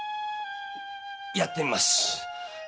やってみます。